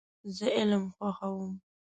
زه علم خوښوم .